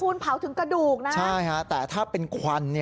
คุณเผาถึงกระดูกนะใช่ฮะแต่ถ้าเป็นควัน